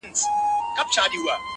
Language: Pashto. څه پروین د نیمي شپې څه سپین سبا دی,